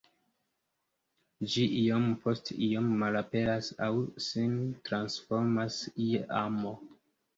Ĝi iom post iom malaperas aŭ sin transformas je amo.